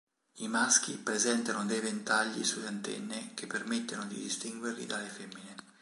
I maschi presentano dei ventagli sulle antenne che permettono di distinguerli dalle femmine.